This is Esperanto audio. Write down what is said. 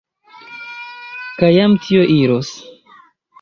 Kaj jam tio iros.